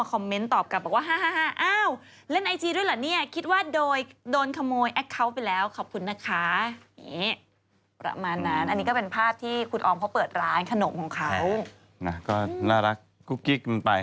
ก็น่ารักกุ๊บกี้กันไป